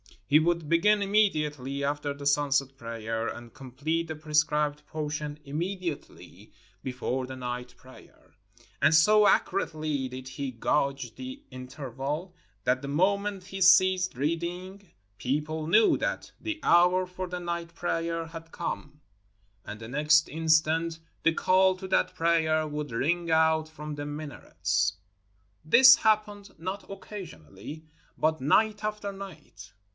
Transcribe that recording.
He would begin immediately after the sunset prayer, and complete the prescribed portion immediately before the night prayer. And so accurately did he gauge the interval that the moment he ceased reading people knew that the hour for the night prayer had come; and the next instant, the call to that prayer would ring out from the minarets. This happened not occasionally, but night after night.